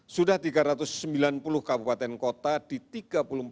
sudah tiga ratus sembilan puluh kabupaten kota di tiga puluh empat provinsi yang terdata